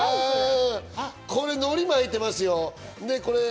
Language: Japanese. これ、海苔巻いてますよ。